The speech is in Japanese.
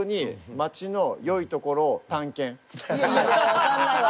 分かんないわ。